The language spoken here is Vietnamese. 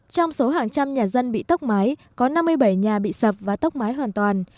trong số hàng trăm nhà dân bị tốc mái có năm mươi bảy nhà bị sập và tốc mái hoàn toàn